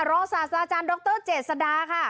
ศาสตราจารย์ดรเจษดาค่ะ